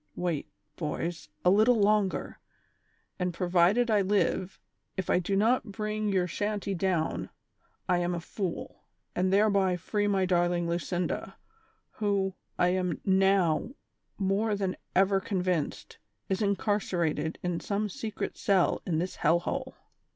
Wait, boys, a little longer, and provided I live, if I do not bring your shanty down, I am a fool, and thereby free my darling Lucinda, who, I am now more than ever convinced, is incarcerated in some secret cell in this hell hole